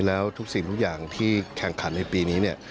แล้วทุกสิ่งทุกอย่างที่แข่งขันในปีนี้เนี่ย